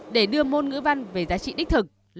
để đưa môn ngữ văn về giá trị đích thực